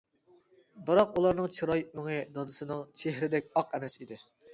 بىراق ئۇلارنىڭ چىراي ئۆڭى دادىسىنىڭ چېھرىدەك ئاق ئەمەس ئىدى.